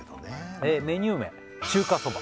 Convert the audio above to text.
メニュー名中華そば